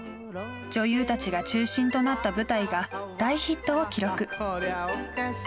女優たちが中心となった舞台が大ヒットを記録。